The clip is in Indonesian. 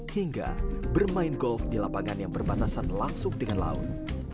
hingga bermain golf di lapangan yang berbatasan langsung dengan laut